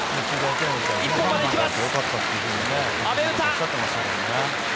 一本までいきます。